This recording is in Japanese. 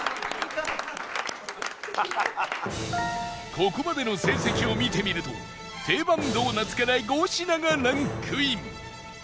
ここまでの成績を見てみると定番ドーナツから５品がランクイン